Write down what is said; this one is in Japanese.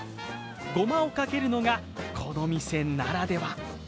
ごまをかけるのがこの店ならでは。